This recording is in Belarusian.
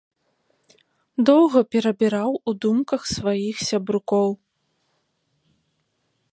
Доўга перабіраў у думках сваіх сябрукоў.